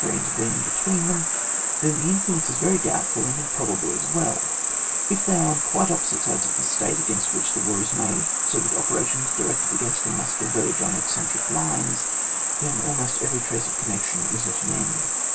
intervening between &em, then the influence is very doubtful and improbable as well ; if they are on quite opposite sides of the State against which the war is made, so that operations directed against them must diverge on eccentric lines, then almost every trace of connection is at an end.